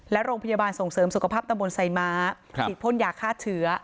และโรงพยาบาลส่งเสริมสุขภาพตำบลไซม้าฉีดพ่นยาฆ่าเชื้อ